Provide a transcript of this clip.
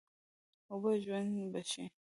اوبه ژوند بښي.